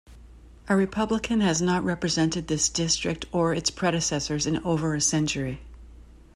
A Republican has not represented this district or its predecessors in over a century.